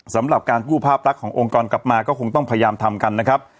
สำหรับการกู้ภาพลักษณ์ขององค์กรกลับมาก็คงต้องพยายามทำกันนะครับ